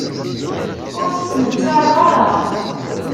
Ur tettmettareḍ ara.